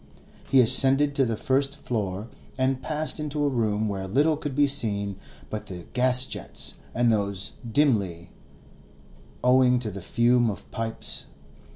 They ascended to the first floor and passed into a room where little could be seen but the gas jets, and those dimly, owing to the fume of pipes.